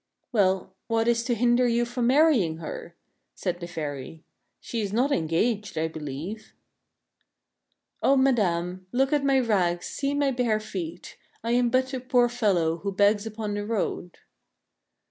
" "Well, what is to hinder you from marrying her?" said the fairy. " She is not engaged, I believe." " O madame, look at my rags, see my bare feet. I am but a poor fellow who begs upon the road."